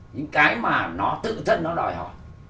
những cái mà nó tự thân nó đòi hỏi